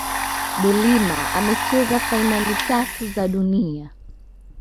de Lima amecheza fainali tatu za dunia